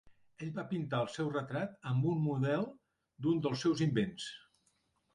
Ell va pintar el seu retrat amb un model d'un dels seus invents.